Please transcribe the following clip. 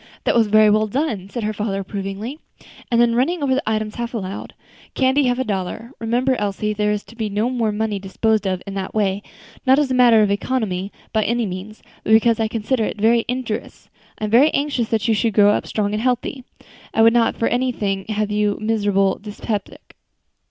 "That was very well done," said her father approvingly. And then running over the items half aloud, "Candy, half a dollar; remember, Elsie, there is to be no more money disposed of in that way; not as a matter of economy, by any means, but because I consider is very injurious. I am very anxious that you should grow up strong and healthy. I would not for anything have you a miserable dyspeptic."